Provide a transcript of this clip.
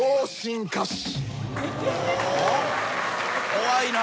怖いな。